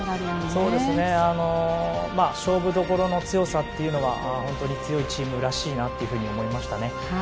勝負どころの強さというのは強いチームらしいなと思いましたね。